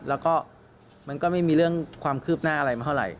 แล้วก็มันก็ไม่มีเรื่องความคืบหน้าอะไรมาเท่าไหร่